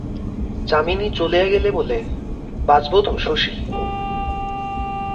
যামিনী চলিয়া গেলে বলে, বাঁচব তো শশী?